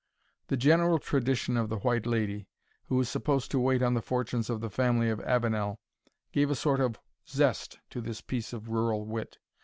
The general tradition of the White Lady, who was supposed to wait on the fortunes of the family of Avenel, gave a sort of zest to this piece of rural wit.